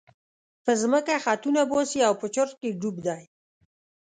په ځمکه خطونه باسي او په چورت کې ډوب دی.